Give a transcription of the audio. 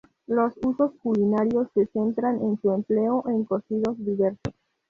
Los usos culinarios se centran en su empleo en cocidos diversos.